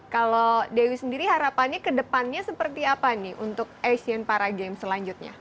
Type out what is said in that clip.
kalau dewi sendiri harapannya ke depannya seperti apa nih untuk asian para games selanjutnya